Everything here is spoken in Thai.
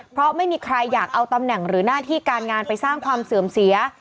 เพราะไม่มีใครอยากเอาตำแหน่งหรือหน้าที่การงานไปสร้างความเสื่อมเสีย